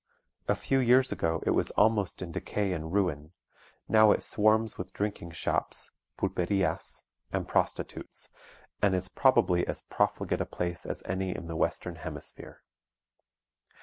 A few years ago it was almost in decay and ruin; now it swarms with drinking shops (pulperias) and prostitutes, and is probably as profligate a place as any in the western hemisphere.